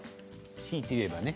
強いて言えばね。